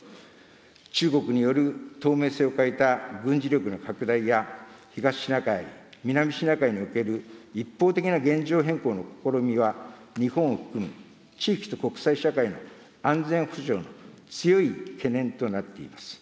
中国による透明性を欠いた軍事力の拡大や、東シナ海・南シナ海における一方的な現状変更の試みは、日本を含む地域と国際社会の安全保障の強い懸念となっています。